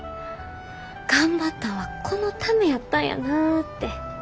頑張ったんはこのためやったんやなてそう思た。